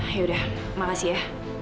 yaudah makasih ya